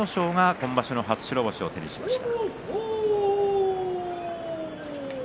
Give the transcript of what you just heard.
今場所の初白星を手にしました。